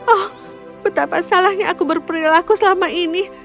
oh betapa salahnya aku berperilaku selama ini